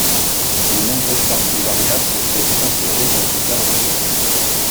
De nombreuses parties variables peuvent être insérées dans ce cadre fixe.